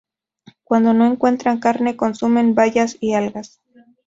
Cuando no encuentran carne, consumen bayas y algas.